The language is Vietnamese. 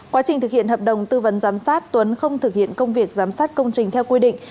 quá trình thực hiện hợp đồng tư vấn giám sát tuấn không thực hiện công việc giám sát công trình theo quy định